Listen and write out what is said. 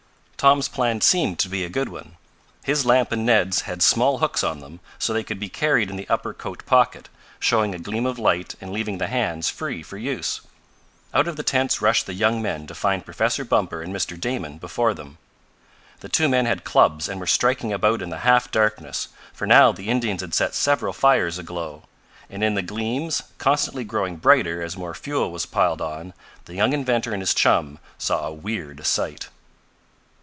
Tom's plan seemed to be a good one. His lamp and Ned's had small hooks on them, so they could be carried in the upper coat pocket, showing a gleam of light and leaving the hands free for use. Out of the tents rushed the young men to find Professor Bumper and Mr. Damon before them. The two men had clubs and were striking about in the half darkness, for now the Indians had set several fires aglow. And in the gleams, constantly growing brighter as more fuel was piled on, the young inventor and his chum saw a weird sight.